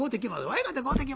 「わいかて買うてく」。